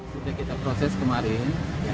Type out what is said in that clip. sejak kita proses kemarin